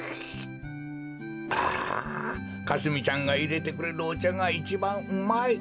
あかすみちゃんがいれてくれるおちゃがいちばんうまい。